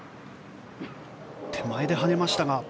手前で跳ねましたが。